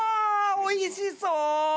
おいしそう！